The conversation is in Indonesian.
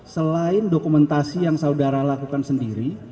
selain dokumentasi yang saudara lakukan sendiri